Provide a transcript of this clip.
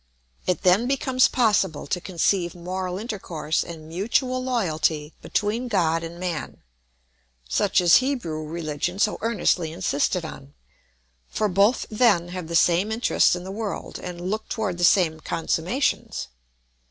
It then becomes possible to conceive moral intercourse and mutual loyalty between God and man, such as Hebrew religion so earnestly insisted on; for both then have the same interests in the world and look toward the same consummations.